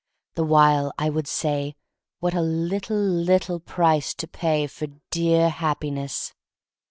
The while I would say, What a little, little price to pay for dear Happiness!